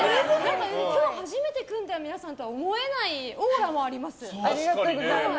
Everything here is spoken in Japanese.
今日初めて組んだ皆さんとは思えないありがとうございます。